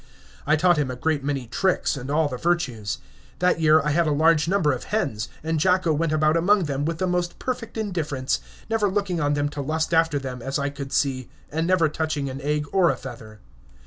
I taught him a great many tricks and all the virtues. That year I had a large number of hens, and Jacko went about among them with the most perfect indifference, never looking on them to lust after them, as I could see, and never touching an egg or a feather.